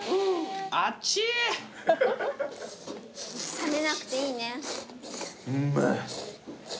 冷めなくていいね。